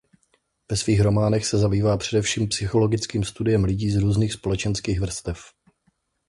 Ve svých románech se zabývá především psychologickým studiem lidí z různých společenských vrstev.